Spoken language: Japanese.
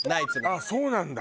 ああそうなんだ。